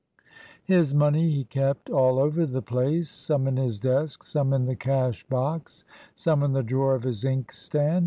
His money he kept all over the place; some in his desk, some in the cash box, some in the drawer of his inkstand.